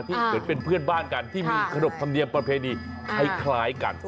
เหมือนเป็นเพื่อนบ้านกันที่มีขนบธรรมเนียมประเพณีคล้ายกัน